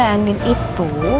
jadi mba andien itu